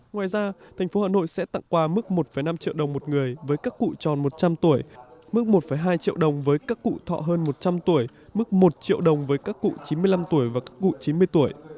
ngoài ra thành phố hà nội sẽ tặng quà mức một năm triệu đồng một người với các cụ tròn một trăm linh tuổi mức một hai triệu đồng với các cụ thọ hơn một trăm linh tuổi mức một triệu đồng với các cụ chín mươi năm tuổi và các cụ chín mươi tuổi